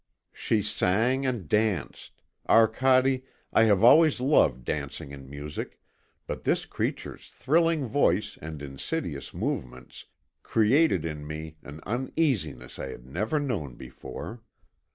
"She sang and danced.... Arcade, I have always loved dancing and music, but this creature's thrilling voice and insidious movements created in me an uneasiness I had never known before.